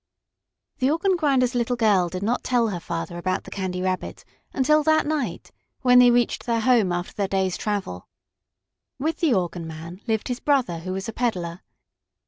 The organ grinder's little girl did not tell her father about the Candy Rabbit until that night when they reached their home after their day's travel. With the organ man lived his brother, who was a peddler.